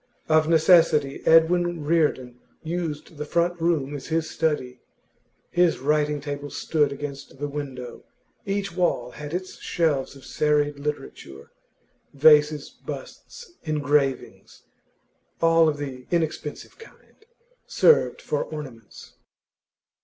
Of necessity, Edwin Reardon used the front room as his study. His writing table stood against the window; each wall had its shelves of serried literature; vases, busts, engravings (all of the inexpensive kind) served for ornaments.